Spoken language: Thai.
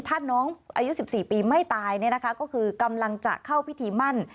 ถ้าน้องอายุ๑๔ปีไม่ตายก็คือกำลังจะเข้าพิธีมั่น